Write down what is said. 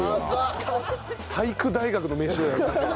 体育大学の飯だよ。